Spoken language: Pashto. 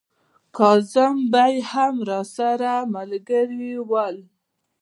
کاظم بې هم راسره ملګري ول.